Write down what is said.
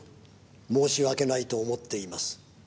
「申し訳ないと思っています」